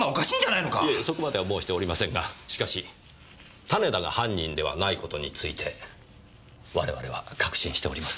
いえそこまでは申しておりませんがしかし種田が犯人ではない事について我々は確信しております。